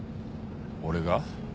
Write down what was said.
俺が？